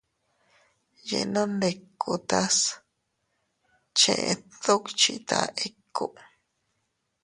Yenondikutas chet dukchita ikku.